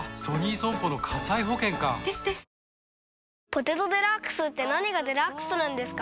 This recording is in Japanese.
「ポテトデラックス」って何がデラックスなんですか？